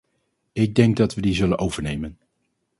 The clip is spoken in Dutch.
Ik denk dat we die zullen overnemen.